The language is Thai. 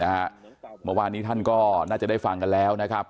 เมื่อวานนี้ท่านก็น่าจะได้ฟังกันแล้วนะครับ